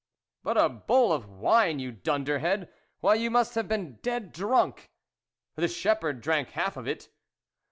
But a bowl of wine, you dunderhead ! Why, you must have been dead drunk." " The shepherd drank half of it."